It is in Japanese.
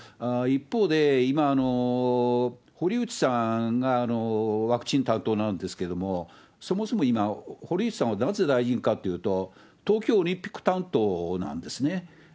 一方で、今、堀内さんがワクチン担当なんですけれども、そもそも今、堀内さんはなぜ大臣かっていうと、東京オリンピック担当なんですね。